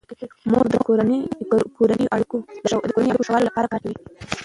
مور د کورنیو اړیکو ښه والي لپاره کار کوي.